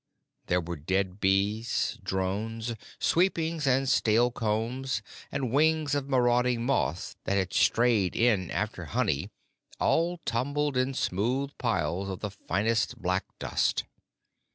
There were dead bees, drones, sweepings, and stale combs, and wings of marauding moths that had strayed in after honey, all tumbled in smooth piles of the finest black dust.